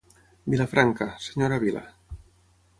Vilafranca, senyora vila.